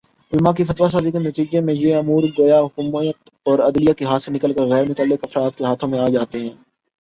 علما کی فتویٰ سازی کے نتیجے میںیہ امور گویا حکومت اورعدلیہ کے ہاتھ سے نکل کر غیر متعلق افراد کے ہاتھوں میں آجاتے ہیں